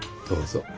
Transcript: どうぞ。